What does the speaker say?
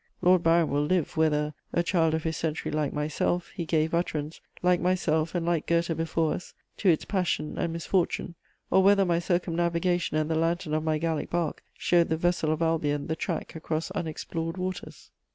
Lord Byron will live whether, a child of his century like myself, he gave utterance, like myself and like Goethe before us, to its passion and misfortune, or whether my circumnavigation and the lantern of my Gallic bark showed the vessel of Albion the track across unexplored waters.